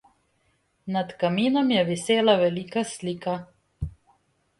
Nad kaminom je visela velika slika.